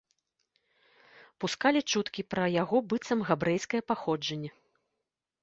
Пускалі чуткі пра яго быццам габрэйскае паходжанне.